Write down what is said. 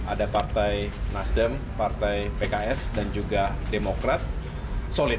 ada partai nasdem partai pks dan juga demokrat solid